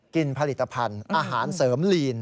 กินผลิตภัณฑ์อาหารเสริมลีน